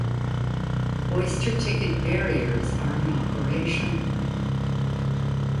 Oyster ticket barriers are in operation.